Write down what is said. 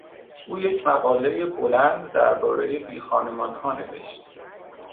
او یک مقالهی بلند دربارهی بیخانمانها نوشت.